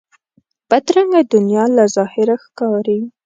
بدرنګه دنیا له ظاهره ښکاري